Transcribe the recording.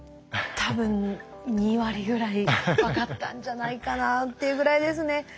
多分２割ぐらい分かったんじゃないかなっていうぐらいですね。